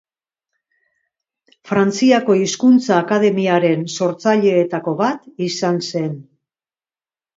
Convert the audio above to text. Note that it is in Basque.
Frantziako Hizkuntza Akademiaren sortzaileetako bat izan zen.